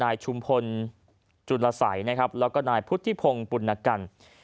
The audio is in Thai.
นายชุมพลจุลศัยแล้วก็นายพุทธิพงศ์ปุณกรรม